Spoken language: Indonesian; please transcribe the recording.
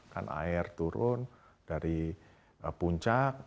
karena itu pun dari puncak